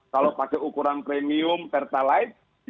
kalau pakai ukuran premium pertalite